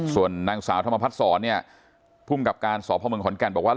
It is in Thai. ส่วนนางสาวธรรมพัฒนศรเนี่ยภูมิกับการสพเมืองขอนแก่นบอกว่า